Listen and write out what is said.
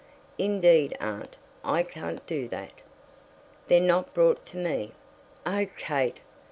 "Indeed, aunt, I can't do that. They're not brought to me." "Oh, Kate!"